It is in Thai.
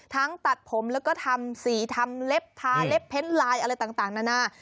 ตัดผมแล้วก็ทำสีทำเล็บทาเล็บเพ้นไลน์อะไรต่างนานา